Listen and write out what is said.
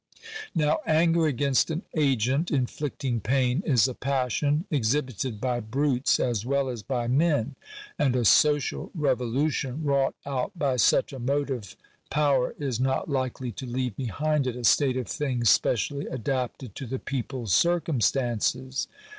Now anger against an agent inflicting pain is a passion, exhibited by brutes as well as by men; and a social revolution wrought out by such a motive power is not likely to leave behind it a state of things specially adapted to the people's circumstances.